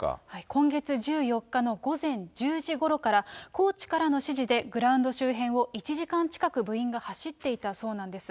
今月１４日の午前１０時ごろから、コーチからの指示で、グラウンド周辺を１時間近く部員が走っていたそうなんです。